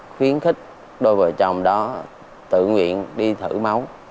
khuyến khích đôi vợ chồng đó tự nguyện đi thử máu